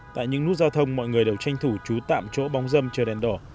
tại những nút giao thông mọi người đều tranh thủ trú tạm chỗ bóng dâm chờ đèn đỏ